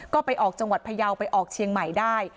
ก็ไปออกจังหวัดพยาวไปออกเชียงใหม่ได้